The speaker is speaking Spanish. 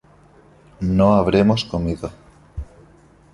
No habremos comido